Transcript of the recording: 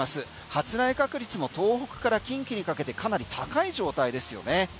発雷確率も東北から近畿にかけてかなり高い状態ですよね。